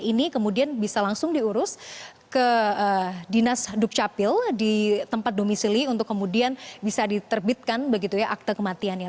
ini kemudian bisa langsung diurus ke dinas dukcapil di tempat domisili untuk kemudian bisa diterbitkan begitu ya akte kematiannya